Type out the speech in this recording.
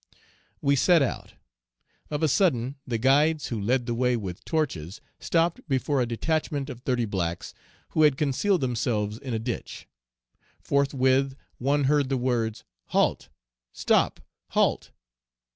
"We set out. Of a sudden, the guides, who led the way with torches, stopped before a detachment of thirty blacks, who had concealed themselves in a ditch. Forthwith one heard the words, 'Halt! stop! halt!'